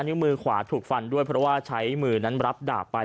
นิ้วมือขวาถูกฟันด้วยเพราะว่าใช้มือนั้นรับดาบไป